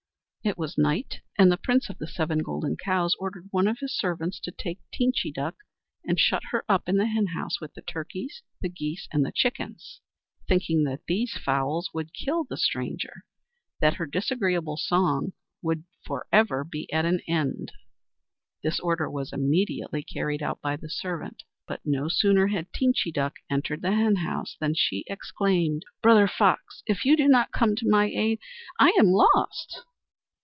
It was night, and the Prince of the Seven Golden Cows ordered one of his servants to take Teenchy Duck and shut her up in the henhouse with the turkeys, the geese, and the chickens, thinking that these fowls would kill the stranger, and that her disagreeable song would for ever be at an end. This order was immediately carried out by the servant, but no sooner had Teenchy Duck entered the henhouse than she exclaimed: "Brother Fox, if you do not come to my aid, I am lost."